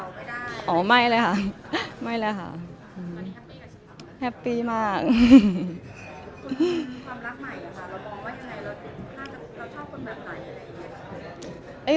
คุณมีความรักใหม่อย่างไรแล้วมองว่าอย่างไรเราชอบคนแบบไหน